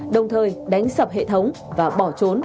đồng thời đánh sập hệ thống và bỏ trốn